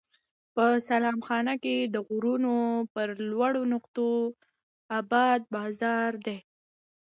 په سلام خانه کې د غرونو پر لوړو نقطو اباد بازار دی.